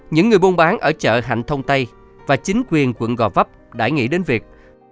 những người buôn bán ở chợ hạnh thông tây và chính quyền quận gò vấp đã nghĩ đến việc